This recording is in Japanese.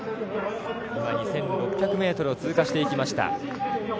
２６００ｍを通過していきました。